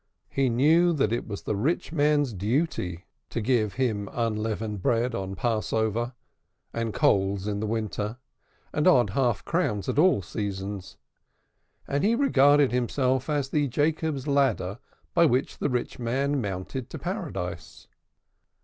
He knew it was the rich man's duty to give him unleavened bread at Passover, and coals in the winter, and odd half crowns at all seasons; and he regarded himself as the Jacob's ladder by which the rich man mounted to Paradise.